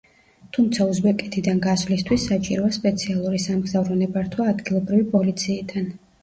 თუმცა, უზბეკეთიდან გასვლისთვის, საჭიროა სპეციალური სამგზავრო ნებართვა ადგილობრივი პოლიციიდან.